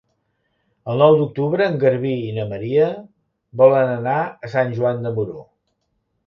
El nou d'octubre en Garbí i na Maria volen anar a Sant Joan de Moró.